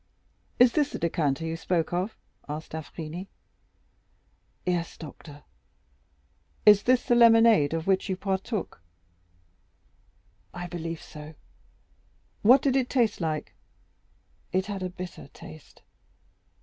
"Is this the decanter you spoke of?" asked d'Avrigny. "Yes, doctor." "Is this the same lemonade of which you partook?" "I believe so." "What did it taste like?" "It had a bitter taste."